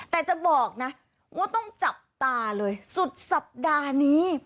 แต่จะบอกนะว่าต้องจับตาเลยสุดสัปดาห์นี้